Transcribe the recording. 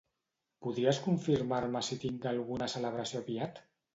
Podries confirmar-me si tinc alguna celebració aviat?